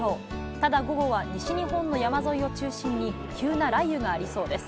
ただ午後は西日本の山沿いを中心に、急な雷雨がありそうです。